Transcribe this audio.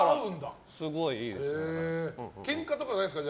ケンカとかないですか？